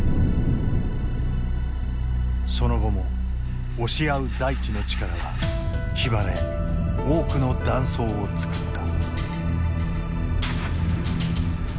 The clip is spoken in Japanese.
その後も押し合う大地の力はヒマラヤに多くの断層を作った。